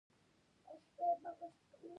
هغې وویل محبت یې د دریاب په څېر ژور دی.